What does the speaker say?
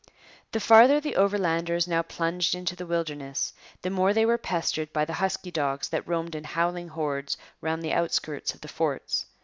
] The farther the Overlanders now plunged into the wilderness, the more they were pestered by the husky dogs that roamed in howling hordes round the outskirts of the forts.